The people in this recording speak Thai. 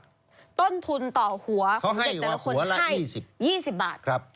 ต้นทุนต่อหัวของเด็กแต่ละคนที่ให้๒๐บาท